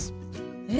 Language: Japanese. えっ！